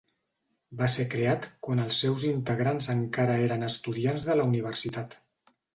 Va ser creat quan els seus integrants encara eren estudiants de la universitat.